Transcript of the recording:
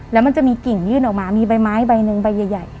แล้วมันจะมีกิ่งยื่นออกมามีใบไม้ใบหนึ่งใบใหญ่